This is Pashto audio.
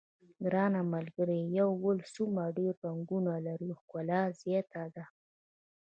ګرانه ملګریه یو ګل څومره ډېر رنګونه لري ښکلا زیاته ده.